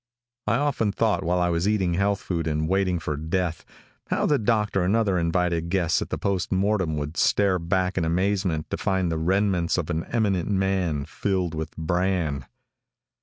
I often thought while I was eating health food and waiting for death, how the doctor and other invited guests at the post mortem would start back in amazement to find the remnants of an eminent man filled with bran!